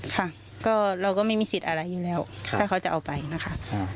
ค่ะก็เราก็ไม่มีสิทธิ์อะไรอยู่แล้วถ้าเขาจะเอาไปนะคะ